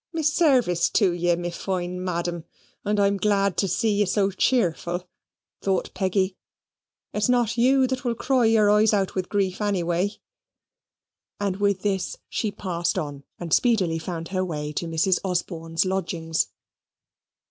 "My service to ye, me fine Madam, and I'm glad to see ye so cheerful," thought Peggy. "It's not YOU that will cry your eyes out with grief, anyway." And with this she passed on, and speedily found her way to Mrs. Osborne's lodgings.